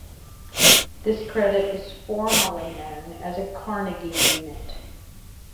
This credit is formally known as a Carnegie Unit.